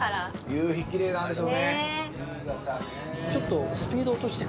夕日きれいなんですよね！